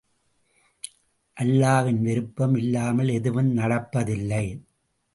அல்லாவின் விருப்பம் இல்லாமல் எதுவும் நடப்பதில்லை!